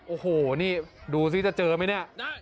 โอ้โหนี่ดูสิจะเจอไหมเนี่ย